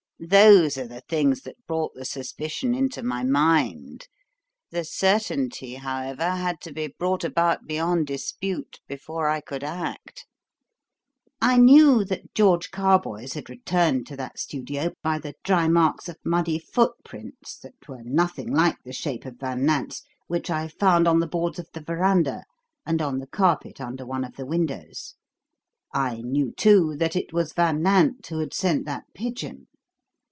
Those are the things that brought the suspicion into my mind; the certainty, however, had to be brought about beyond dispute before I could act. "I knew that George Carboys had returned to that studio by the dry marks of muddy footprints, that were nothing like the shape of Van Nant's, which I found on the boards of the verandah and on the carpet under one of the windows; I knew, too, that it was Van Nant who had sent that pigeon.